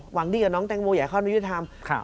หวังดีกับน้องแตงโมอยากเข้าในยุทธรรม